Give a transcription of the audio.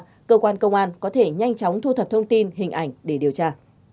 nếu có tình huống xấu xảy ra cơ quan công an có thể nhanh chóng thu thập thông tin hình ảnh để điều tra